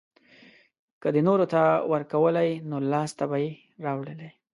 که ده نورو ته ورکولی نو لاسته به يې راوړلی.